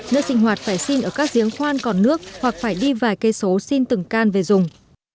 nước sinh hoạt phải xin ở các giếng khoan còn nước hoặc phải đi vài cây số xin từng can về dùng